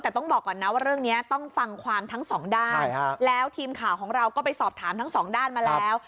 แต่ต้องบอกก่อนนะว่าเรื่องนี้ต้องฟังความทั้งสองด้านแล้วทีมข่าวของเราก็ไปสอบถามทั้งสองด้านมาแล้ว